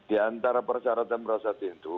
di antara persyaratan persyarat itu